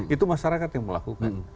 itu masyarakat yang melakukan